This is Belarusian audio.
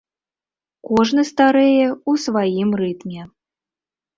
Кожны старэе ў сваім рытме.